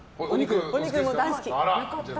お肉、大好き。